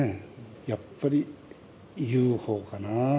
やっぱりＵＦＯかな。